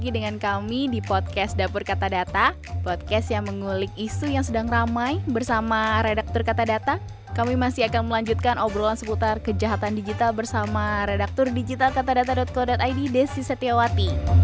dapur kata data podcast